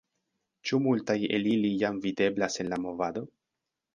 Ĉu multaj el ili jam videblas en la movado?